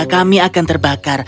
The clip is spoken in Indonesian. kami akan dibakar